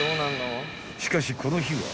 ［しかしこの日は］